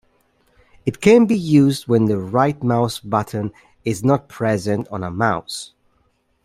It can be used when the right-mouse button is not present on a mouse.